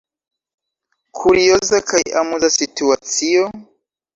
Kurioza kaj amuza situacio?